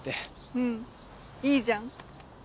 うんいいじゃん。